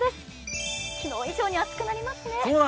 昨日以上に暑くなりますね。